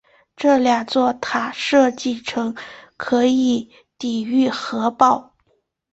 这两座塔设计成可以抵御核爆。